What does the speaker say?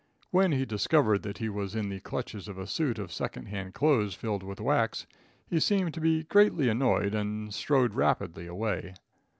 When he discovered that he was in the clutches of a suit of second hand clothes filled with wax, he seemed to be greatly annoyed and strode rapidly away.